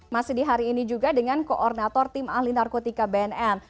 masih di hari ini juga dengan koordinator tim ahli narkotika bnn